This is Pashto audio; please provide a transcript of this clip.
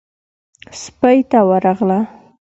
سپۍ ته ورغله.